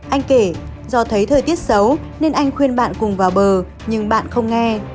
anh kể do thấy thời tiết xấu nên anh khuyên bạn cùng vào bờ nhưng bạn không nghe